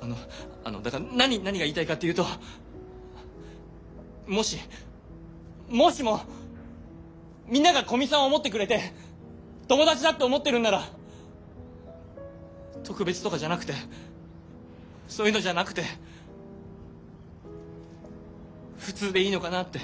あのあのだから何何が言いたいかというともしもしもみんなが古見さんを思ってくれて友達だって思ってるんなら特別とかじゃなくてそういうのじゃなくて普通でいいのかなって。